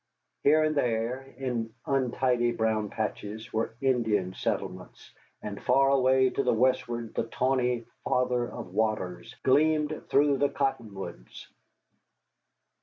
Here and there, in untidy brown patches, were Indian settlements, and far away to the westward the tawny Father of Waters gleamed through the cottonwoods.